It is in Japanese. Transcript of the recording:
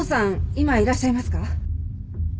今いらっしゃいますか？